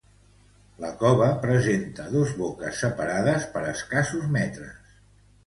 La cova presenta dos boques separades per escassos metres.